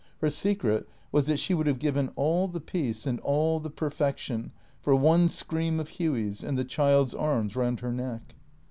Her secret was that she would have given all the peace and all the perfection for one scream of Hughy's and the child's arms round her neck.